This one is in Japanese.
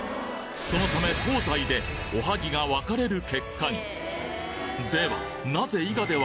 そのため東西でおはぎが分かれる結果に！